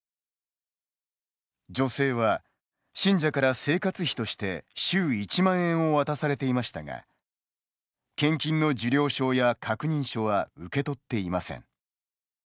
女性は、信者から生活費として週、１万円を渡されていましたが献金の受領証や確認書は受け取っていません。